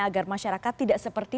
agar masyarakat tidak seperti